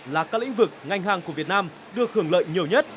là các lĩnh vực ngành hàng của việt nam được hưởng lợi nhiều nhất